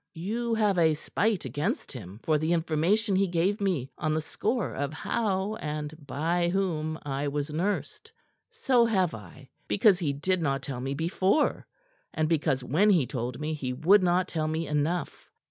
"You have a spite against him for the information he gave me on the score of how and by whom I was nursed. So have I. Because he did not tell me before, and because when he told me he would not tell me enough.